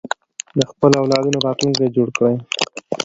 د خپلو اولادونو راتلونکی جوړ کړئ.